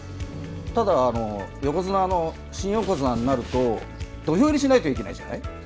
ただ、横綱新横綱になると土俵入りしないといけないじゃない？